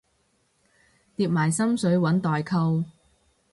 疊埋心水搵代購